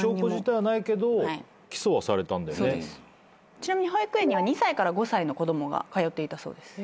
ちなみに保育園には２歳から５歳の子供が通っていたそうです。